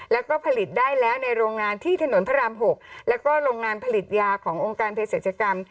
แล้วก็ผลิตได้แล้วในโรงงานที่ถนนพระราม๖แล้วก็โรงงานผลิตยาขององค์การเพศรัชกรรม